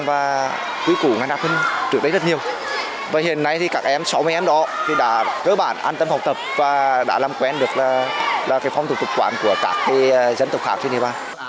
và luyện sức khỏe hàng ngày